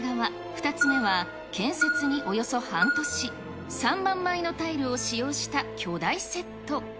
２つ目は建設におよそ半年、３万枚のタイルを使用した巨大セット。